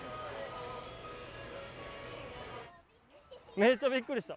めっちゃびっくりした。